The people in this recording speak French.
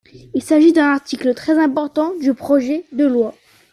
Il s’agit d’un article très important du projet de loi.